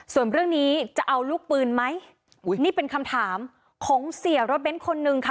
ส่วนเรื่องนี้จะเอาลูกปืนไหมอุ้ยนี่เป็นคำถามของเสียรถเบ้นคนนึงค่ะ